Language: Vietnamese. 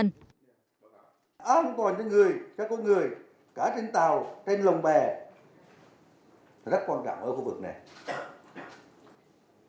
an toàn cho người cho con người cả trên tàu trên lồng bè rất quan trọng ở khu vực